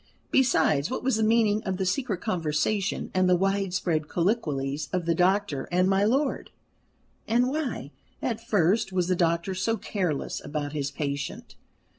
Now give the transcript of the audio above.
Besides, what was the meaning of the secret conversation and the widespread colloquies of the doctor and my lord? And why, at first, was the doctor so careless about his patient?